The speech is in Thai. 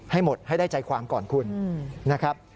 ให้หมดให้ได้ใจความก่อนคุณนะครับ